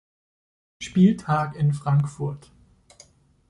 Spieltag in Frankfurt.